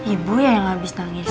ibu ya yang habis nangis